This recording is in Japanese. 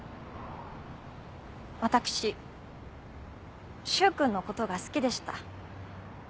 私柊君のことが好きでした。